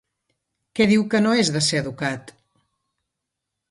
Què diu que no és de ser educat?